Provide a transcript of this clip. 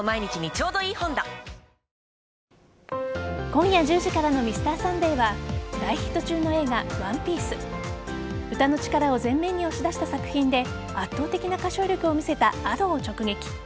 今夜１０時からの「Ｍｒ．サンデー」は大ヒット中の映画「ＯＮＥＰＩＥＣＥ」歌の力を前面に押し出した作品で圧倒的な歌唱力を見せたＡｄｏを直撃。